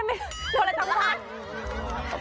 ไม่ใช่มัน